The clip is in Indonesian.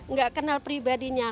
kita kenal pribadinya